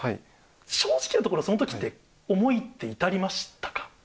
正直なところ、そのときって、思いって至りましたか？